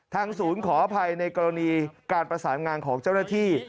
ศูนย์ขออภัยในกรณีการประสานงานของเจ้าหน้าที่